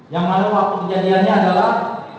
yang mana waktu kejadiannya adalah